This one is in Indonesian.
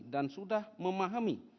dan sudah memahami